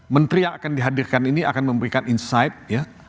menteri yang akan dihadirkan ini akan memberikan insight ya